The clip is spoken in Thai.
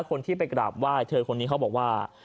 คนที่ไปกราบไหว้เธอคนนี้เขาบอกว่า